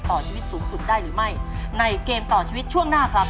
ต่อชีวิตสูงสุดได้หรือไม่ในเกมต่อชีวิตช่วงหน้าครับ